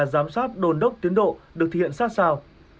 giám sát đồn đốc tiến độ được thực hiện sát sao